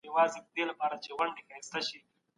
پښتو تر هغو پورې په کیسو کي نسته تر څو ږغیز کتابونه نه سي